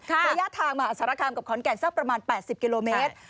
ระยะทางมหาสารคามกับขอนแก่นสักประมาณ๘๐กิโลเมตร